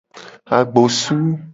Agbosu.